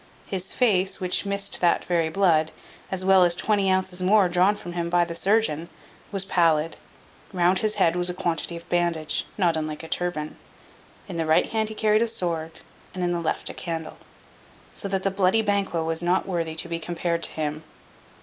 His face, which missed that very blood, as well as twenty ounces more drawn from him by the surgeon, was pallid. Round his head was a quantity of bandage, not unlike a turban. In the right hand he carried a sword, and in the left a candle. So that the bloody Banquo was not worthy to be compared to him.